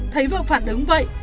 thấy vợ phản ứng vậy